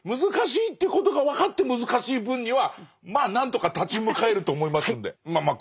難しいっていうことが分かって難しい分にはまあ何とか立ち向かえると思いますんで。